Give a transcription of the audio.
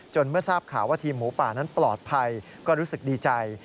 เมื่อทราบข่าวว่าทีมหมูป่านั้นปลอดภัยก็รู้สึกดีใจ